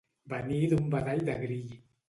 Venir d'un badall de grill.